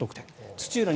土浦